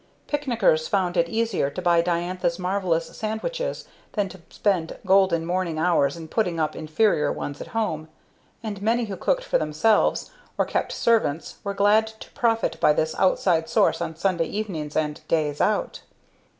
Picnickers found it easier to buy Diantha's marvelous sandwiches than to spend golden morning hours in putting up inferior ones at home; and many who cooked for themselves, or kept servants, were glad to profit by this outside source on Sunday evenings and "days out."